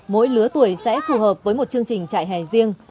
mỗi lứa tuổi sẽ phù hợp với một chương trình trại hè riêng